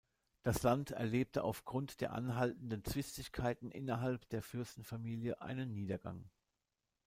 Das Land erlebte auf Grund der anhaltenden Zwistigkeiten innerhalb der Fürstenfamilie einen Niedergang.